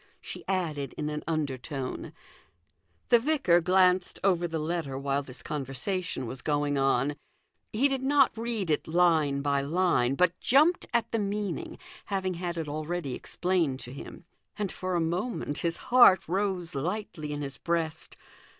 she added in an under tone. The vicar glanced over the letter while this conversation was going on. He did not read it line by line, but jumped at the meaning, having had it already explained to him. And for a moment his heart rose lightly in his breast.